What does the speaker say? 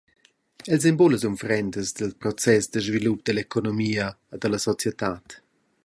Els ein buca las unfrendas dil process da svilup dall’economia e dalla societad.